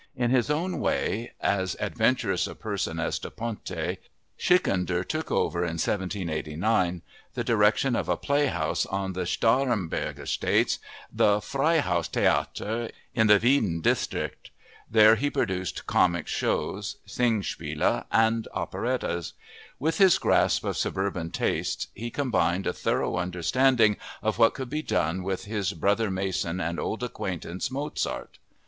In his own way as adventurous a person as Da Ponte, Schikaneder took over in 1789 the direction of a playhouse on the Starhemberg estates, the Freihaus Theater, in the Wieden district. There he produced comic shows, Singspiele, and operettas. With his grasp of suburban tastes he combined a thorough understanding of what could be done with his brother Mason and old acquaintance, Mozart.